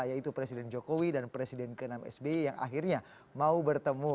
yaitu presiden jokowi dan presiden ke enam sby yang akhirnya mau bertemu